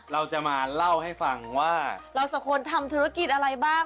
เราจะมาเล่าให้ฟังว่าเราสองคนทำธุรกิจอะไรบ้าง